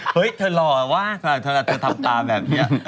เฮ้ยเธอหล่อวะเธอทำตาแบบนี้